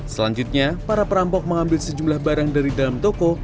selanjutnya para perampok mengambil sejumlah barang dari dalam toko